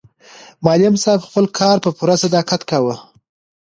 معلم صاحب خپل کار په پوره صداقت کاوه.